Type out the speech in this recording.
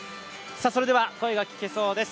それでは声が聞けそうです。